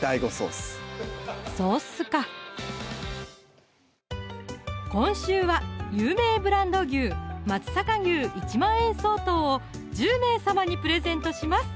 そーっすか今週は有名ブランド牛松阪牛１万円相当を１０名様にプレゼントします